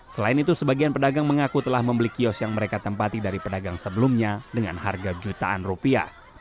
selain itu sebagian pedagang mengaku telah membeli kios yang mereka tempati dari pedagang sebelumnya dengan harga jutaan rupiah